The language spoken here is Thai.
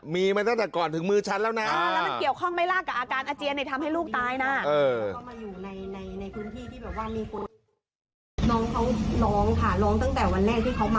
มีมาตั้งแต่ก่อนถึงมือฉันแล้วนะ